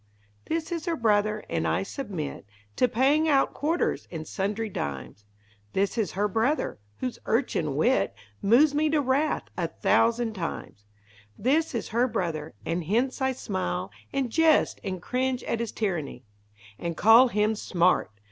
This is Her brother and I submit To paying out quarters and sundry dimes; This is Her brother whose urchin wit Moves me to wrath a thousand times; This is Her brother and hence I smile And jest and cringe at his tyranny, And call him "smart"!